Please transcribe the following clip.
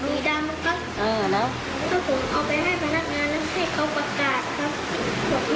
มีดำครับ